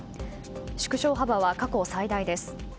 縮小幅は過去最大です。